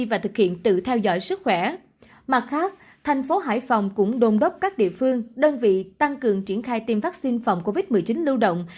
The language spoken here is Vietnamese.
mặt khác thành phố hải phòng cũng đồn đốc các địa phương đơn vị tăng cường triển khai tiêm vaccine phòng covid một mươi chín lưu động